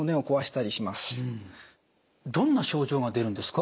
どんな症状が出るんですか？